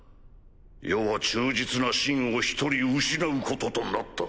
余は忠実な臣を１人失うこととなった。